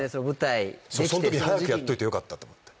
その時に早くやっといてよかったと思って